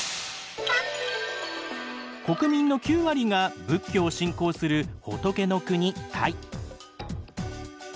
国民の９割が仏教を信仰する仏の国タイ。